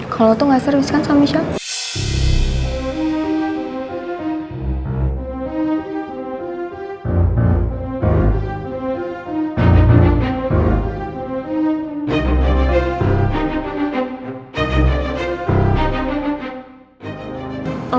kalo lo tuh gak serius kan sama michelle